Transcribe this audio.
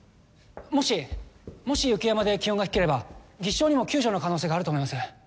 もしもし雪山で気温が低ければ技師長にも救助の可能性があると思います。